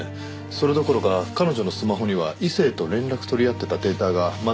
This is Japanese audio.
それどころか彼女のスマホには異性と連絡取り合ってたデータが全くないようです。